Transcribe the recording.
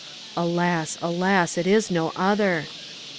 "Alas, alas, it is no other!"